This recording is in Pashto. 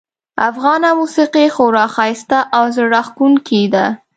افغانه موسیقي خورا ښایسته او زړه راښکونکې ده